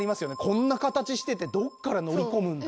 こんな形しててどっから乗り込むんだって。